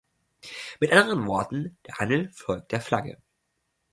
Mit anderen Worten: „Der Handel folgt der Flagge“.